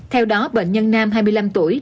theo đó bệnh nhân nam hai mươi năm tuổi